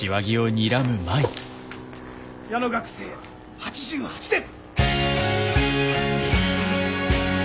矢野学生８８点！